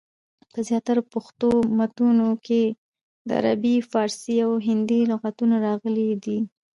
په زیاترو پښتو متونو کي دعربي، پاړسي، او هندي لغتونه راغلي دي.